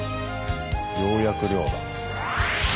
ようやく漁だ。